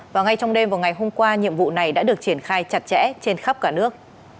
và ngay trong đêm vào ngày hôm qua nhiệm vụ này đã được triển khai chặt chẽ trên khắp cả nước